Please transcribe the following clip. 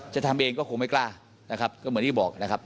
จะทำเองก็คงไม่กล้านะครับก็เหมือนที่บอกนะครับ